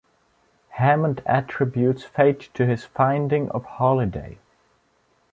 Hammond attributes fate to his finding of Holiday.